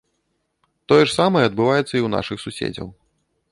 Тое ж самае адбываецца і ў нашых суседзяў.